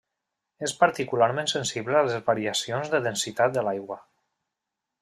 És particularment sensible a les variacions de densitat de l'aigua.